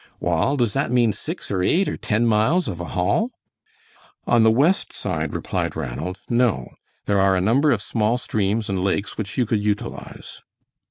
"Wall, does that mean six or eight or ten miles of a haul?" "On the west side," replied Ranald, "no. There are a number of small streams and lakes which you could utilize."